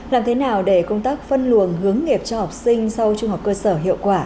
làm thế nào để công tác phân luồng hướng nghiệp cho học sinh sau trung học cơ sở hiệu quả